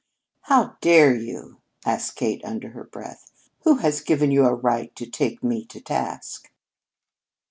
"How dare you?" asked Kate under her breath. "Who has given you a right to take me to task?"